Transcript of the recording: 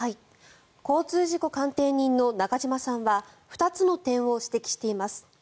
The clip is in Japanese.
交通事故鑑定人の中島さんは２つの点を指摘しています。